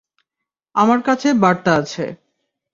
আমার কাছে বার্তা আছে।